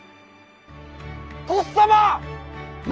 とっさま！